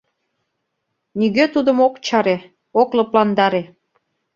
Нигӧ тудым ок чаре, ок лыпландаре.